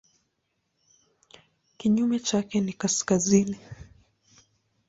Kinyume chake ni kaskazini.